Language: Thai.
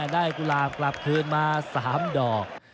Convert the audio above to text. กุหลาบกลับคืนมา๓ดอก